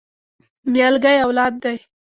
نیالګی اولاد دی؟